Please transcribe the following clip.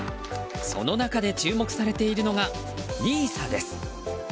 その中で注目されているのがＮＩＳＡです。